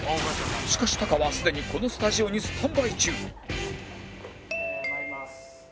しかしタカはすでにこのスタジオにスタンバイ中まいります。